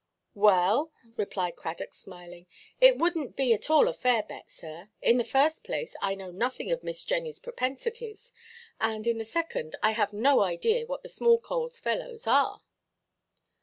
"Well," replied Cradock, smiling, "it wouldnʼt be at all a fair bet. In the first place, I know nothing of Miss Jennyʼs propensities; and, in the second, I have no idea what the small–coals fellows are."